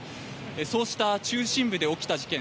そうした中心部で起きた事件。